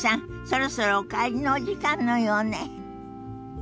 そろそろお帰りのお時間のようね。